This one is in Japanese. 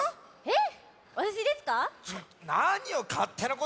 えっ！？